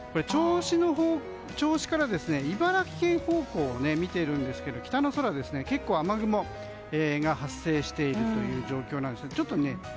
銚子から茨城県方向を見ているんですが北の空は結構、雨雲が発生しているという状況です。